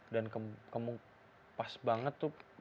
dan kamu pas banget tuh dapet